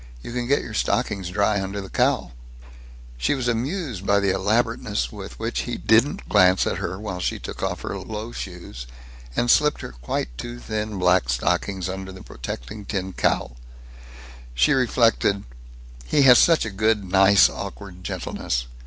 You can get your stockings dry under the cowl." She was amused by the elaborateness with which he didn't glance at her while she took off her low shoes and slipped her quite too thin black stockings under the protecting tin cowl. She reflected, "He has such a nice, awkward gentleness.